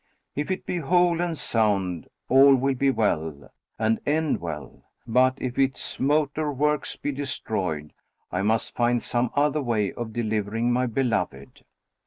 If it be whole and sound, all will be well and end well; but, if its motor works be destroyed, I must find some other way of delivering my beloved."